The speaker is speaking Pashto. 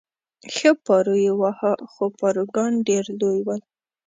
ښه پارو یې واهه، خو پاروګان ډېر لوی ول.